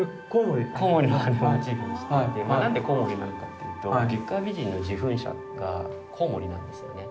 何でコウモリなのかっていうと月下美人の受粉者がコウモリなんですよね。